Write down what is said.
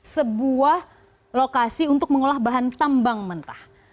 sebuah lokasi untuk mengolah bahan tambang mentah